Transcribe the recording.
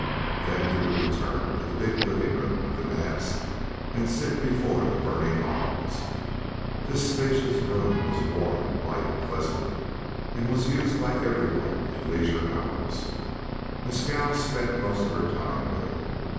Then he would return to the big living room of the Naabs and sit before the burning logs. This spacious room was warm, light, pleasant, and was used by every one in leisure hours. Mescal spent most of her time there.